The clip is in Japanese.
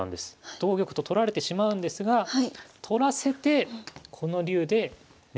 同玉と取られてしまうんですが取らせてこの竜でね？